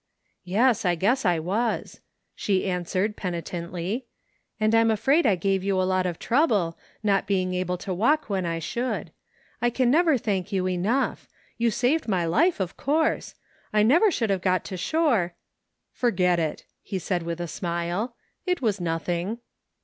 " Yes, I guess I was," she answered penitently, " and I'ni afraid I gave you a lot of trouble, not being < able to walk when I should. I can never thank you enough ! You saved my life, of course ! I never should have got to shore "" Forget it !" he said with a smile, " it was nothing."